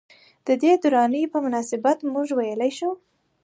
ددې دورانيې پۀ مناسبت مونږدا وئيلی شو ۔